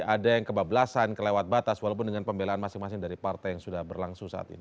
ada yang kebablasan kelewat batas walaupun dengan pembelaan masing masing dari partai yang sudah berlangsung saat ini